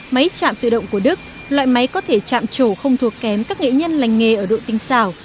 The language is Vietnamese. máy chạm tự động của đức loại máy có thể chạm trổ không thuộc kém các nghệ nhân lành nghề ở độ tinh xảo